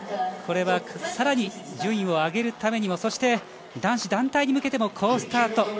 これはさらに順位を上げるためにもそして男子団体に向けても好スタート。